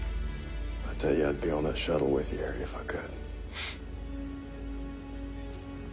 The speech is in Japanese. フッ。